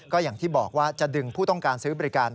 ก็อย่างที่บอกว่าจะดึงผู้ต้องการซื้อบริการ